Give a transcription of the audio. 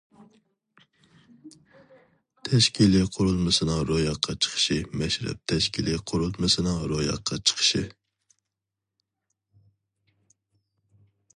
تەشكىلىي قۇرۇلمىسىنىڭ روياپقا چىقىشى مەشرەپ تەشكىلىي قۇرۇلمىسىنىڭ روياپقا چىقىشى.